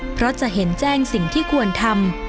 เพราะจะเห็นแจ้งสิ่งที่ควรทำ